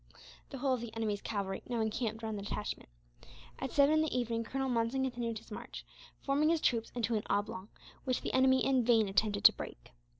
The whole of the enemy's cavalry now encamped round the detachment. At seven in the evening Colonel Monson continued his march, forming his troops into an oblong, which the enemy in vain attempted to break.